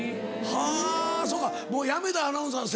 はぁそうかもう辞めたアナウンサーの先輩